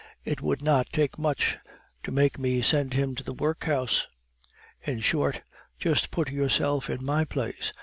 It would not take much to make me send him to the workhouse. In short, just put yourself in my place.